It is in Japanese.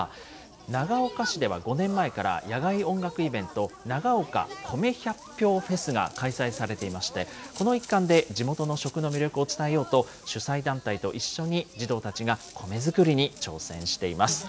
長岡市では５年前から野外音楽イベント、長岡米百俵フェスが開催されていまして、この一環で、地元の食の魅力を伝えようと、主催団体と一緒に児童たちが米作りに挑戦しています。